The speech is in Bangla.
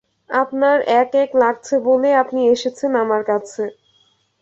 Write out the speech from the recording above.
আপনার এক-এক লাগছে বলেই আপনি এসেছেন আমার কাছে।